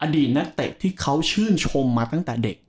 อดีตนักเตะที่เขาชื่นชมมาตั้งแต่เด็ก